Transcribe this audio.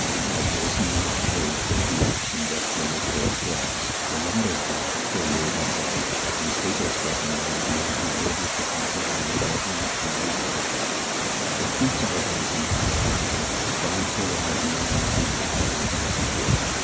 As Grayson and his employer quitted the office and walked together toward the corrals the latter's brow was corrugated by thought and his facial expression that of one who labors to fasten upon a baffling and illusive recollection. "It beats all, Grayson," he said presently; "but I am sure that I have known this new bookkeeper of yours before.